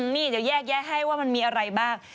มี่เดี๋ยวแยกแยะให้ว่ามันมีอะไรบ้าง